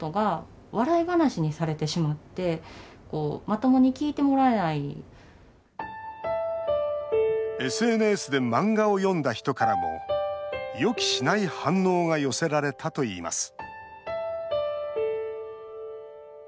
身近な人に打ち明けましたがＳＮＳで漫画を読んだ人からも予期しない反応が寄せられたといいます